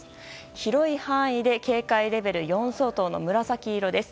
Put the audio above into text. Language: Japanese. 広い範囲で警戒レベル４相当の紫色です。